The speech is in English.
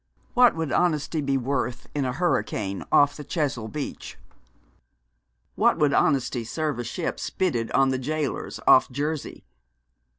What would honesty be worth in a hurricane off the Chesil Beach? What would honesty serve a ship spitted on the Jailors off Jersey?